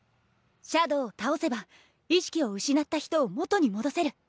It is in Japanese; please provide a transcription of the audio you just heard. シャドウを倒せば意識を失った人を元に戻せる。